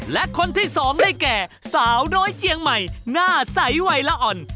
และคนที่สองได้แก่สาวน้อยเจียงใหม่หน้าใสวัยละอ่อน